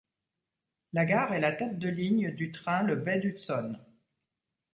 La gare est la tête de ligne du train Le Baie d'Hudson.